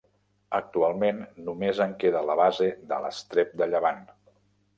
Actualment només en queda la base de l’estrep de llevant.